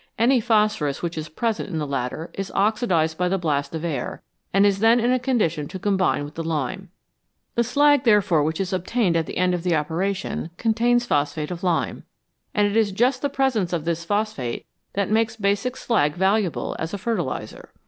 Any phosphorus which is present in the latter is oxidised by the blast of air, and is then in a condition to combine with the lime. The slag, therefore, which is obtained at the end of the operation, contains phosphate of lime, and it is just the presence of this phosphate which makes basic slag valuable as a fertiliser.